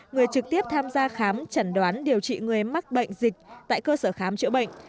người trực tiếp tham gia khám chẩn đoán điều trị người mắc bệnh dịch tại cơ sở khám chữa bệnh